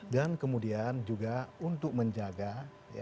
dan kemudian juga untuk menjaga ya